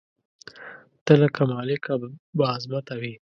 ته لکه مالکه بااعظمته وې